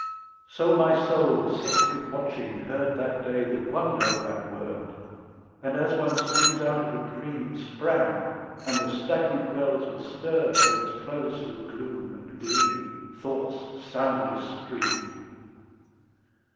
So my soul sick with watching heard That day the wonder of that word, And as one springs out of a dream Sprang, and the stagnant wells were stirred Whence flows through gloom and gleam Thought's soundless stream.